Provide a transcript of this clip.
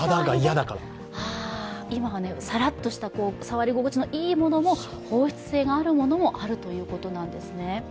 今はサラッとした触り心地のいいものも、方湿性がいいものもあるということです。